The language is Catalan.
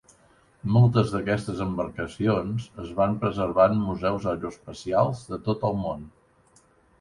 Moltes d'aquestes embarcacions es van preservar en museus aeroespacials de tot el món.